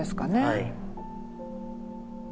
はい。